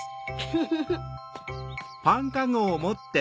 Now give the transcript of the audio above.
フフフ。